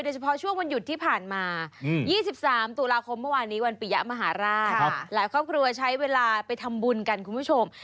เฉพาะช่วงวันหยุดที่ผ่านมา๒๓ตุลาคมเมื่อวานนี้วันปียะมหาราชหลายครอบครัวใช้เวลาไปทำบุญกันคุณผู้ชม